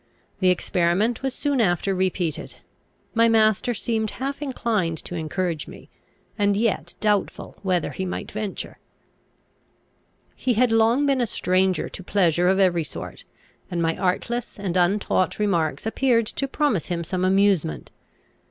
The experiment was soon after repeated. My master seemed half inclined to encourage me, and yet doubtful whether he might venture. He had long been a stranger to pleasure of every sort, and my artless and untaught remarks appeared to promise him some amusement.